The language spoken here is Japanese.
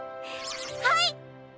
はい！